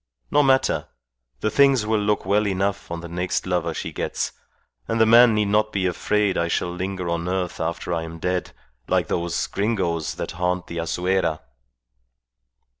No matter! The things will look well enough on the next lover she gets, and the man need not be afraid I shall linger on earth after I am dead, like those Gringos that haunt the Azuera."